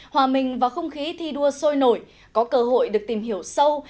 hòa minh và không khí thi đua sôi nổi có cơ hội được tìm hiểu sâu